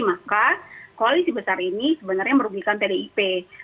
maka koalisi besar ini sebenarnya merugikan pdip